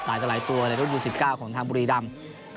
ต่อหลายตัวในรุ่นยู๑๙ของทางบุรีรำ